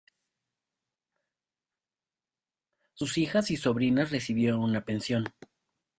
Sus hijas y sobrinas recibieron una pensión.